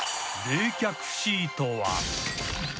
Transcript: ［冷却シートは］